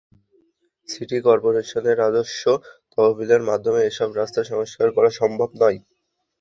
City করপোরেশনের রাজস্ব তহবিলের মাধ্যমে এসব রাস্তা সংস্কার করা সম্ভব নয়।